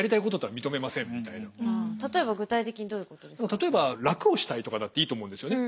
例えば楽をしたいとかだっていいと思うんですよね。